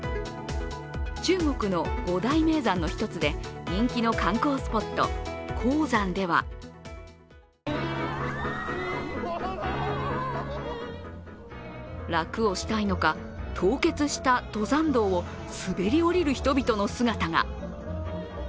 中国の五大名山の１つで人気の観光スポット、衝山では楽をしたいのか、凍結した登山道を滑りおりる人々の姿が。